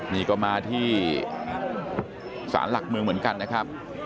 นี่ก็มาที่ศาลหลักเมืองเหมือนกันนะครับ